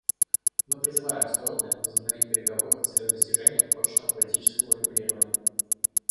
Мы призываем стороны возобновить переговоры в целях достижения прочного политического урегулирования.